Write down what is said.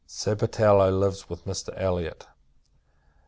Sabatello lives with Mr. Elliot.